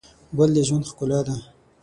ګل د ژوند ښکلا ده.